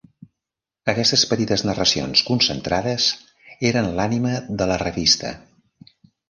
Aquestes petites narracions concentrades eren l'ànima de la revista.